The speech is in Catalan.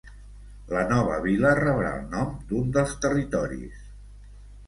La nova vila rebrà el nom d'un dels territoris.